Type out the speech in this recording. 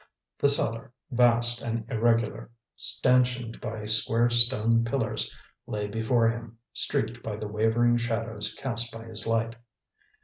The cellar, vast and irregular, stanchioned by square stone pillars, lay before him, streaked by the wavering shadows cast by his light.